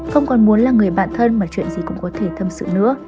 không còn muốn là người bạn thân mà chuyện gì cũng có thể thâm sự nữa